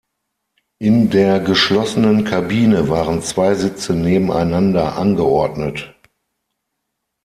In der geschlossenen Kabine waren zwei Sitze nebeneinander angeordnet.